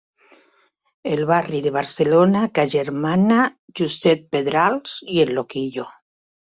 El barri de Barcelona que agermana Josep Pedrals i el Loquillo.